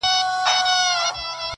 د لېوانو په څېر مخ په مخ ویدیږي.!